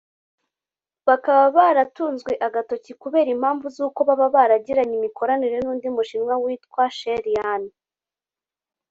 bakaba baratunzwe agatoki kubera impamvu z’uko baba baragiranye imikoranire n’undi mushinwa witwa Sheri Yan